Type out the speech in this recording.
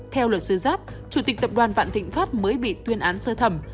theo luật sư giáp chủ tịch tập đoàn vạn thịnh pháp mới bị tuyên án sơ thẩm